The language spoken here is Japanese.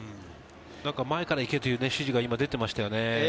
前から行けという指示が出ていましたよね。